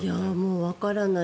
わからない。